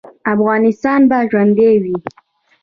افغانستان به ژوندی وي